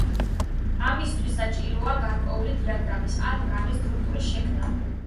ამისათვის საჭიროა გარკვეული დიაგრამის, ან რაიმე სტრუქტურის შექმნა.